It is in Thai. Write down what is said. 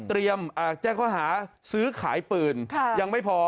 แจ้งข้อหาซื้อขายปืนยังไม่พอ